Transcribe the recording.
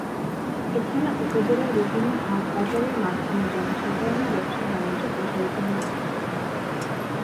এছাড়া উপজেলার বিভিন্ন হাট বাজারের মাধ্যমে জনসাধারণের ব্যবসা-বাণিজ্য প্রসারিত হচ্ছে।